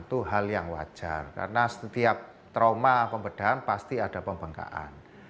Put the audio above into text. itu hal yang wajar karena setiap trauma pembedahan pasti ada pembengkakan